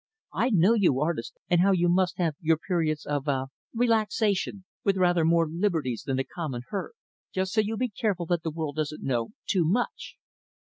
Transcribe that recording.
I know you artists, and how you must have your periods of ah relaxation with rather more liberties than the common herd. Just so you are careful that the world doesn't know too much."